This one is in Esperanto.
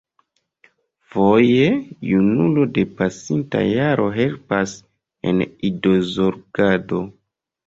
Foje junulo de pasinta jaro helpas en idozorgado.